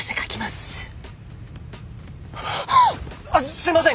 すいません！